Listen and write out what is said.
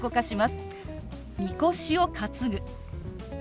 「みこしを担ぐ」。